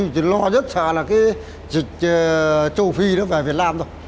chị lo rất sợ là cái dịch châu phi nó phải việt nam rồi